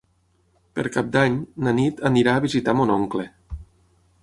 Per Cap d'Any na Nit anirà a visitar mon oncle.